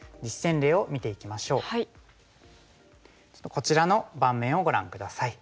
こちらの盤面をご覧下さい。